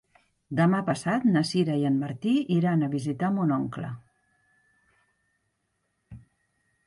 Demà passat na Sira i en Martí iran a visitar mon oncle.